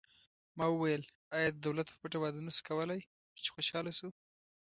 ما وویل: آیا د دولت په پټه واده نه شو کولای، چې خوشحاله شو؟